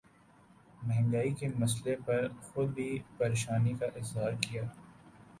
مہنگائی کے مسئلے پر خود بھی پریشانی کا اظہار کیا